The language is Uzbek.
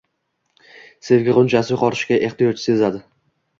Sevgi g‘unchasi sug‘orishga ehtiyoj sezadi.